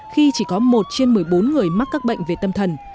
khi chỉ có một trên một mươi bốn người mắc các bệnh về tâm thần